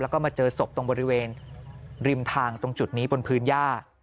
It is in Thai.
แล้วก็มาเจอศพตรงบริเวณริมทางตรงจุดนี้บนพื้นย่า